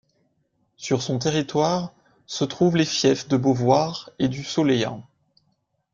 Sur son territoire, se trouvent les fiefs de Beauvoir et du Soleillant.